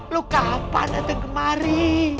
lu kapan datang kemari